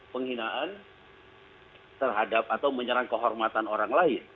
penghinaan terhadap atau menyerang kehormatan orang lain